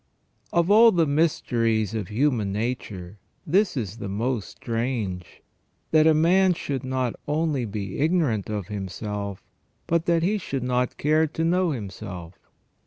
OF all the mysteries of human nature this is the most strange, that man should not only be ignorant of himself, but that he should not care to know himself.